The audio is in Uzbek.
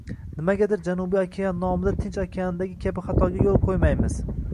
Nimagadir Janubiy okean nomida Tinch okeandagi kabi xatoga yoʻl qoʻymaymiz